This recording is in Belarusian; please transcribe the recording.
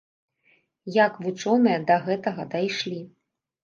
Як вучоныя да гэтага дайшлі?